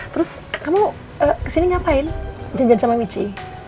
terus kamu kesini ngapain jajan sama michi